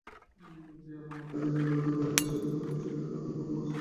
যে আপন আত্মাকে জয় করিতে পারিয়াছে, সভ্যতার পরাকাষ্ঠা তাহারই মধ্যে পরিস্ফুট।